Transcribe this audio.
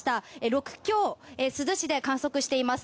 ６強を珠洲市で観測しています。